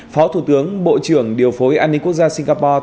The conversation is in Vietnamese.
phó thủ tướng bộ trưởng điều phối an ninh quốc gia singapore